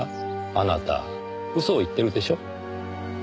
あなた嘘を言ってるでしょ？